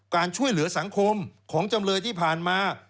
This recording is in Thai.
การช่วยเหลือสังคมของจำเลยที่ผ่านมา